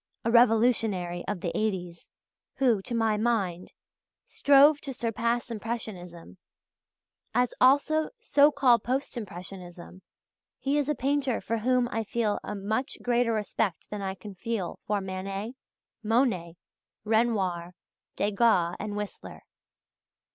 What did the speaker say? _, as a revolutionary of the 'eighties who, to my mind, strove to surpass impressionism, as also so called post impressionism, he is a painter for whom I feel a much greater respect than I can feel for Manet, Monet, Renoir, Degas, and Whistler.